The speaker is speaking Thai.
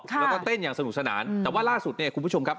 แล้วก็เต้นอย่างสนุกสนานแต่ว่าล่าสุดเนี่ยคุณผู้ชมครับ